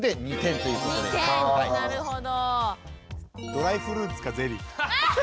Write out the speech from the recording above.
ドライフルーツかゼリー。